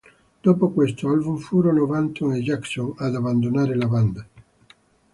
Dopo questo album furono Banton e Jackson ad abbandonare la band.